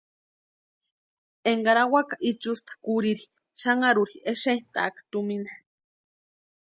Énkari awaka ichusta kurhiri xanharuri exentʼaaka tumina.